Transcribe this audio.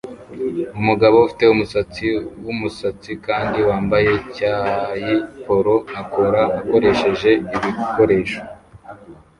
Umugabo ufite umusatsi wumusatsi kandi wambaye icyayi polo akora akoresheje ibikoresho